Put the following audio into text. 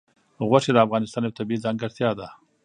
غوښې د افغانستان یوه طبیعي ځانګړتیا ده.